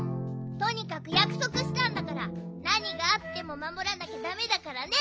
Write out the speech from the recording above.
とにかくやくそくしたんだからなにがあってもまもらなきゃだめだからね！